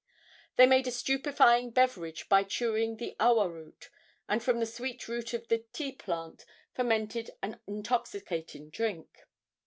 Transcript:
They made a stupefying beverage by chewing the awa root, and from the sweet root of the ti plant fermented an intoxicating drink.